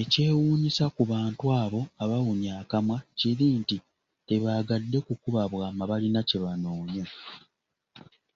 Ekyewuunyisa ku bantu abo abawunya akamwa kiri nti, tebaagadde kukuba bwama balina kye banoonya!